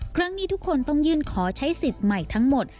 ครั้งนี้ทุกคนต้องยื่นขอใช้สิทธิ์ใหม่ทั้งหมด